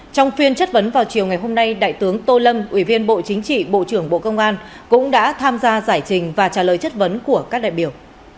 trong phiên chất vấn vào chiều ngày hôm nay đại tướng tô lâm ủy viên bộ chính trị bộ trưởng bộ công an cũng đã tham gia giải trình và trả lời chất vấn của các đại biểu